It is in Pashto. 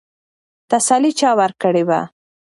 تسلي چا ورکړې وه؟